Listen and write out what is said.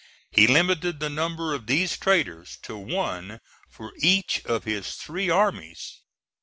He limited the number of these traders to one for each of his three armies.